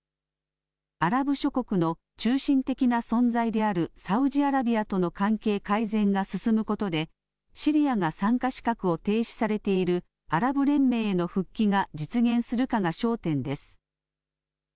アラブ諸国の中心的な存在であるサウジアラビアとの関係改善が進むことでシリアが参加資格を停止されているアラブ連盟への復帰が実現するかが焦点です。